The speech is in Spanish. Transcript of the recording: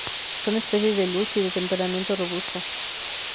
Son especies de luz y de temperamento robusto.